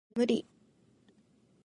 もう無理